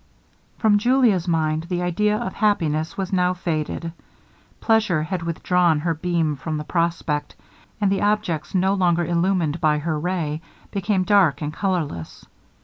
From Julia's mind the idea of happiness was now faded. Pleasure had withdrawn her beam from the prospect, and the objects no longer illumined by her ray, became dark and colourless.